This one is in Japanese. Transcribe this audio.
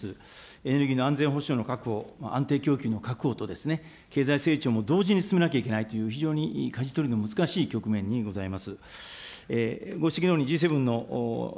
エネルギーの安全保障の確保、安定供給の確保と、経済成長も同時に進めなきゃいけないという、非常にかじ取りの難しい局面にございます。